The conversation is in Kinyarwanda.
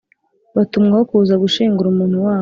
Batumwaho kuza gushingura umuntu wabo